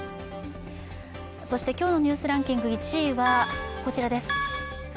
そして今日の「ニュースランキング」１位はこちらです。